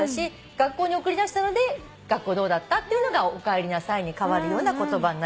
学校に送り出したので「学校どうだった？」が「おかえりなさい」に代わるような言葉になると思います。